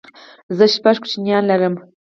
زه شپږ کوچنيان لرم